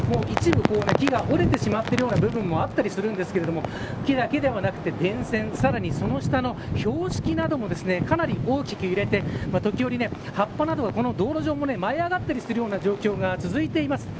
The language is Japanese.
一部、木が折れてしまっているような部分もあったりしますが木だけではなくて電線さらにその下の標識などもかなり大きく揺れて時折、葉っぱなどが道路上にも舞い上がったりするような状況が続いています。